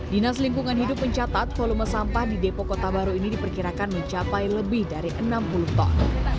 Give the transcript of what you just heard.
dinas lingkungan hidup mencatat volume sampah di depo kota baru ini diperkirakan mencapai lebih dari enam puluh ton